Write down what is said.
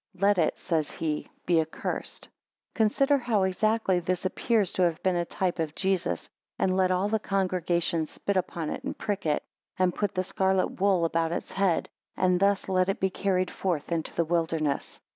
Let it, says he, be accursed. 8 Consider how exactly this appears to have been a type of Jesus. And let all the congregation spit upon it, and prick it; and put the scarlet wool about its head; and thus let it be carried forth into the wilderness.